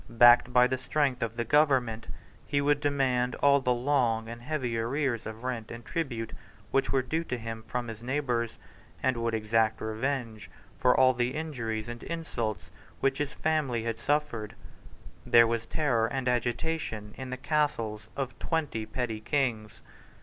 Backed by the strength of the Government, he would demand all the long and heavy arrears of rent and tribute which were due to him from his neighbours, and would exact revenge for all the injuries and insults which his family had suffered. There was terror and agitation in the castles of twenty petty kings.